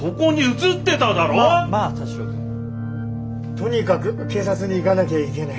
とにかく警察に行かなきゃいけない。